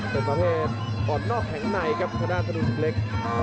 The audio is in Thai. เป็นประเทศอ่อนนอกแห่งในครับขนาดธนูสุกเล็ก